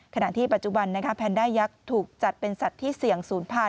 ขณะที่ปัจจุบันแพนด้ายักษ์ถูกจัดเป็นสัตว์ที่เสี่ยงศูนย์พันธ